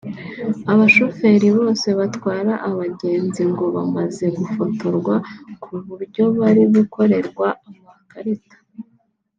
Abashoferi bose batwara abagenzi ngo bamaze gufotorwa ku buryo bari gukorerwa amakarita